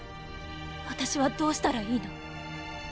私はどうしたらいいの？